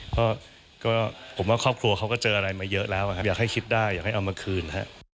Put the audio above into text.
ก็ผมว่าครอบครัวเขาก็เจออะไรมาเยอะแล้วครับอยากให้คิดได้อยากให้เอามาคืน